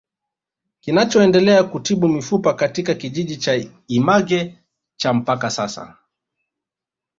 Kinachoendelea kutibu mifupa katika kijiji cha Image cha mpaka sasa